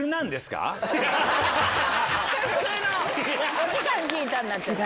お時間聞いたになっちゃった。